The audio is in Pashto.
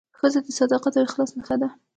ښځه د صداقت او اخلاص نښه ده.